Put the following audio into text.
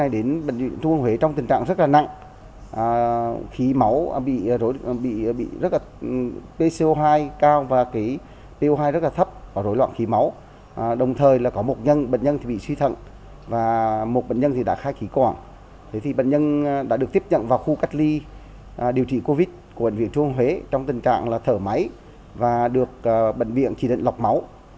điều trị covid của bệnh viện trung ương huế trong tình trạng là thở máy và được bệnh viện chỉ định lọc máu